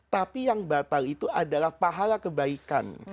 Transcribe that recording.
tapi yang batal itu adalah pahala kebaikan